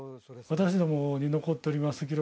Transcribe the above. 私どもに残っております